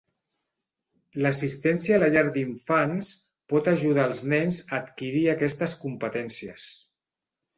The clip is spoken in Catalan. L'assistència a la llar d'infants pot ajudar els nens a adquirir aquestes competències.